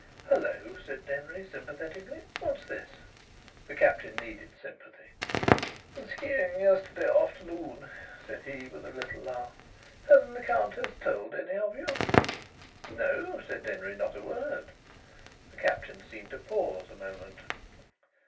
"Hullo!" said Denry, sympathetically. "What's this?" The Captain needed sympathy. "Ski ing yesterday afternoon," said he, with a little laugh. "Hasn't the Countess told any of you?" "No," said Denry, "not a word." The Captain seemed to pause a moment.